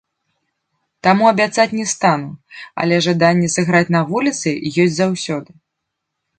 Таму абяцаць не стану, але жаданне сыграць на вуліцы ёсць заўсёды.